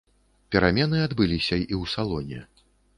Перамены адбыліся і ў салоне.